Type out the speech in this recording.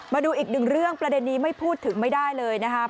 มาดูอีกหนึ่งเรื่องประเด็นนี้ไม่พูดถึงไม่ได้เลยนะครับ